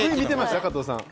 加藤さん。